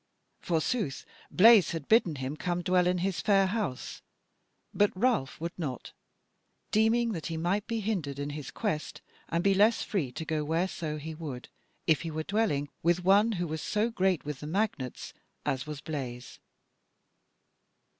Forsooth Blaise had bidden him come dwell in his fair house, but Ralph would not, deeming that he might be hindered in his quest and be less free to go whereso he would, if he were dwelling with one who was so great with the magnates as was Blaise.